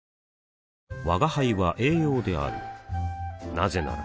なぜなら